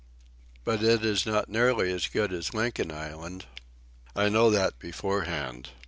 "But it is not nearly as good as Lincoln Island." "I know that beforehand."